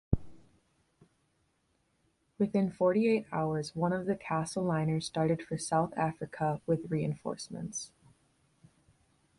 Within forty-eight hours, one of the Castle liners started for South Africa with reinforcements.